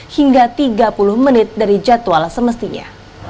hingga tiga puluh menit dari jadwal semestinya